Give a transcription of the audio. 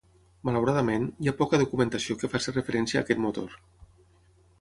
Malauradament, hi ha poca documentació que faci referència a aquest motor.